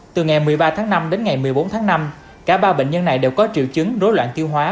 từ ngày một mươi ba tháng năm đến ngày một mươi bốn tháng năm cả ba bệnh nhân này đều có triệu chứng rối loạn tiêu hóa